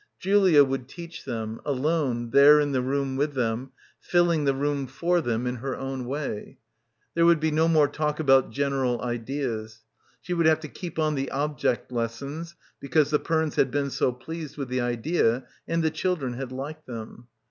Julia would teach them — alone there in the room with them, filling the room for them — in her own way. ... There would be no more talk about general ideas. ... She would have to keep on the "object" lessons, because the Pernes had been so pleased with the idea and the children had liked them.